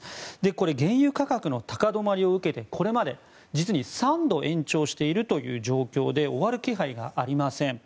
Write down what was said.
これ、原油価格の高止まりを受けてこれまで実に３度延長しているという状況で終わる気配がありません。